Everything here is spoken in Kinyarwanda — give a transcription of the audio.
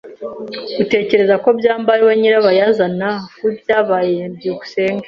Utekereza ko byambo ariwe nyirabayazana w'ibyabaye? byukusenge